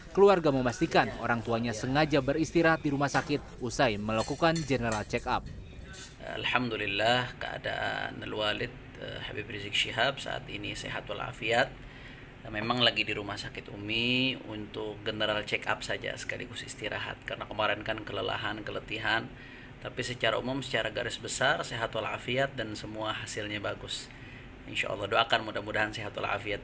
keluarga memastikan orang tuanya sengaja beristirahat di rumah sakit usai melakukan general check up